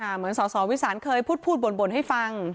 เหมือนสสวิสานเคยพูดบ่นให้ฟัง